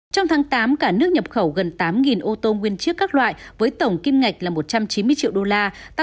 trong tháng tám cả nước nhập khẩu gần tám ô tô nguyên chiếc các loại với tổng kim ngạch là một trăm chín mươi triệu đô la